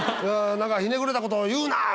「ひねくれたこと言うな！